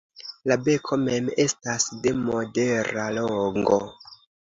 La beko mem estas de modera longo.